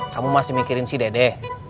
kamu masih mikirin si dedek